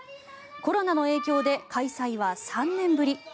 コロナの影響で開催は３年ぶり。